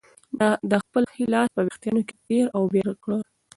ده خپل ښی لاس په وېښتانو کې تېر او بېر کړ.